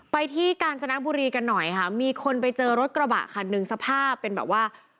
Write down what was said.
ที่กาญจนบุรีกันหน่อยค่ะมีคนไปเจอรถกระบะคันหนึ่งสภาพเป็นแบบว่า